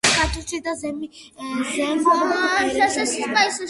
ქართლში და ზემო იმერეთში გავრცელებული ქვიშხური იგივე გორული მწვანეა.